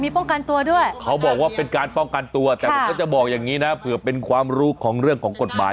เพราะเป็นการป้องกันตัวแต่ผมก็จะบอกอย่างนี้นะเผื่อเป็นความรู้ของเรื่องของกฎหมาย